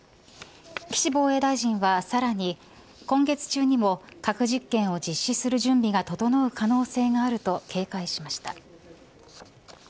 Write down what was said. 岸防衛大臣はさらに今月中にも核実験を実施する準備が整う可能性があると警戒しました。